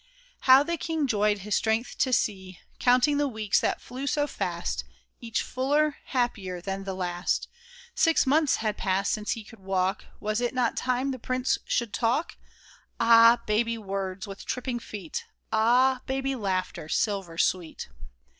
How the king joyed his strength to see, Counting the weeks that flew so fast — Each fuller, happier than the last ! Six months had passed since he could walk ; Was it not time the prince should talk ? Ah ! baby words with tripping feet ! Ah ! baby laughter, silver sweet